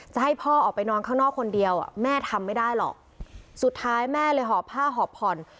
จะให้พ่อออกไปนอนข้างนอกคนเดียวอ่ะแม่ทำไม่ได้หรอกสุดท้ายแม่เลยหอบผ้าหอบผ่อน